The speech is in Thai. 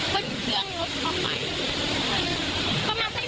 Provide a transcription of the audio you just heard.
เบ้นเครื่องรถเข้าไป